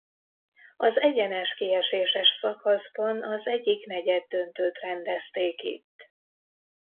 Az egyenes kieséses szakaszban az egyik negyeddöntőt rendezték itt.